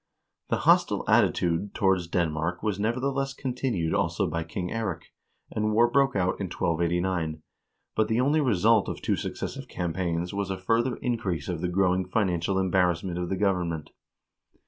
The hos tile attitude towards Denmark was, nevertheless, continued also by King Eirik, and war broke out in 1289 ; but the only result of two suc cessive campaigns was a further increase of the growing financial em barrassment of the government.